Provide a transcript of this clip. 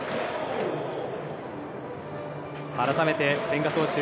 改めて千賀投手